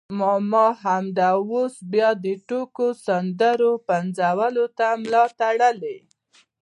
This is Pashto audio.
ماما همدا اوس بیا د ټوکو سندرو پنځولو ته ملا تړلې.